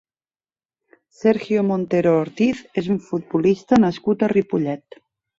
Sergio Montero Ortiz és un futbolista nascut a Ripollet.